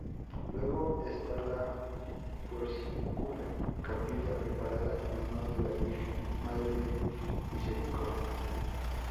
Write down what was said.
Luego está la Porciúncula, capilla preparada en honor de la Virgen Madre de Misericordia.